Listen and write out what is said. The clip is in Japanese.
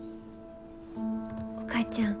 お母ちゃん。